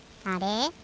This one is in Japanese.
あれ？